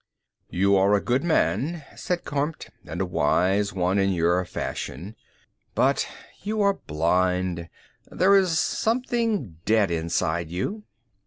"You are a good man," said Kormt, "and a wise one in your fashion. But you are blind. There is something dead inside you."